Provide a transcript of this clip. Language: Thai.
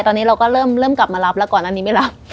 ตอนนี้เราก็เริ่มกลับมารับแล้วก่อนอันนี้ไม่รับ